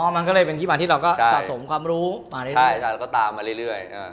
มันก็เลยเป็นที่มาที่เราก็สะสมความรู้มาเรื่อยเราก็ตามมาเรื่อย